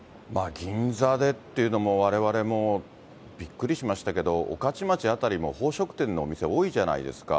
銀座でっていうのも、われわれもびっくりしましたけど、御徒町辺りも宝飾店のお店、多いじゃないですか。